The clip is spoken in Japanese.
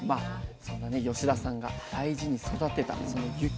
そんな田さんが大事に育てたその雪菜。